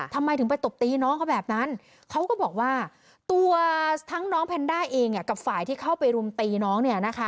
ทำไมถึงไปตบตีน้องเขาแบบนั้นเขาก็บอกว่าตัวทั้งน้องแพนด้าเองกับฝ่ายที่เข้าไปรุมตีน้องเนี่ยนะคะ